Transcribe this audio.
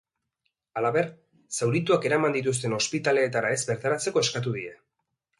Halaber, zaurituak eraman dituzten ospitaleetara ez bertaratzeko eskatu die.